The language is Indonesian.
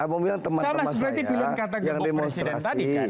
bang boni bilang teman teman saya yang demonstrasi